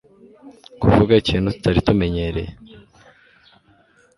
kuvuga ikintu tutari tumenyereye